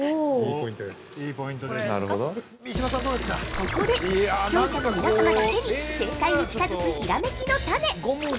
◆ここで視聴者の皆様だけに正解に近づくひらめきのタネ。